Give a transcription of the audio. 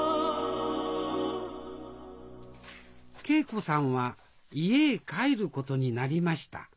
桂子さんは家へ帰ることになりました。